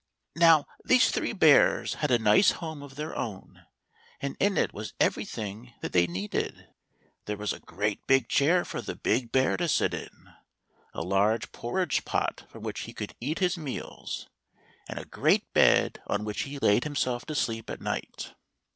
Now these three bears had a nice home of their own, and in it was everything that they needed. There was a great big chair for the big bear to sit in, a large porridge pot from which he could eat his meals, and a great bed on which he laid himself to sleep at night.